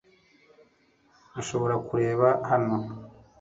Nshobora kureba hano